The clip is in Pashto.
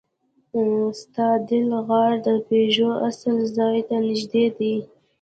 ستادل غار د پيژو اصلي ځای ته نږدې دی.